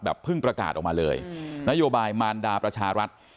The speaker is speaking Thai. เพิ่งประกาศออกมาเลยนโยบายมารดาประชารัฐ